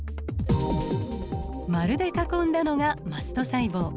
丸で囲んだのがマスト細胞。